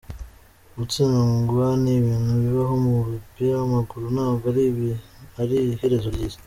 Gutsindwa ni ibintu bibaho mu mupira w’amaguru, ntabwo iri ari iherezo ry’isi.